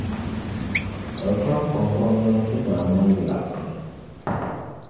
Acheampong Gɔmnanti daa mali yaa pam